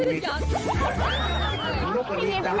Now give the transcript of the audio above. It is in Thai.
นี่มีเต็มเวลานะ